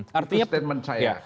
saya menarik dengan pengertian ini